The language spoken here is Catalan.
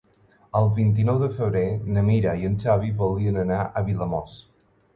El vint-i-nou de febrer na Mira i en Xavi voldrien anar a Vilamòs.